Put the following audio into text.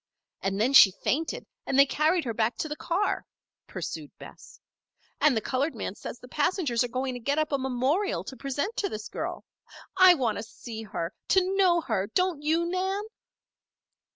And then she fainted and they carried her back to the car," pursued Bess. "And the colored man says the passengers are going to get up a memorial to present to this girl. I want to see her to know her. Don't you, Nan?"